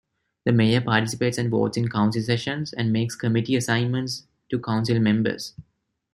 The mayor participates and votes in Council sessions and makes committee assignments to Councilmembers.